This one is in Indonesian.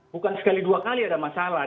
bukan sekali dua kali ada masalah